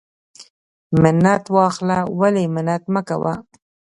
منت واخله ولی منت مکوه.